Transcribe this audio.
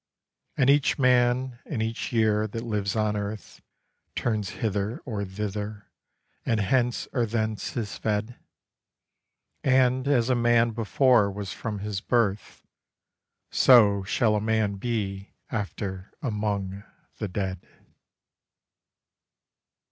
And each man and each year that lives on earth Turns hither or thither, and hence or thence is fed; And as a man before was from his birth, So shall a man be after among the dead.